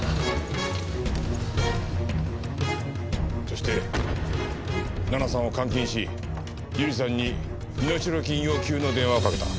そして奈々さんを監禁し由梨さんに身代金要求の電話をかけた。